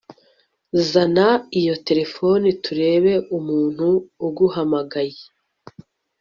zana iyo telephone turebe umuntu uguhamagaye